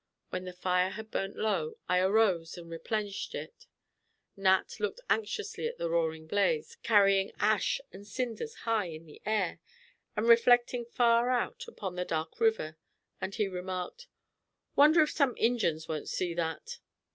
When the fire had burnt low, I arose and replenished it. Nat looked anxiously at the roaring blaze, carrying ashes and cinders high in the air, and reflecting far out upon the dark river, and he remarked: "Wonder if some Injins won't see that."